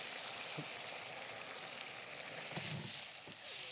はい。